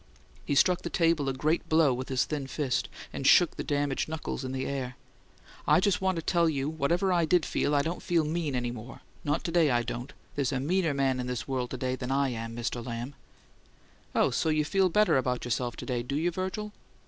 He struck the table a great blow with his thin fist, and shook the damaged knuckles in the air. "I just want to tell you, whatever I did feel, I don't feel MEAN any more; not to day, I don't. There's a meaner man in this world than I am, Mr. Lamb!" "Oh, so you feel better about yourself to day, do you, Virgil?"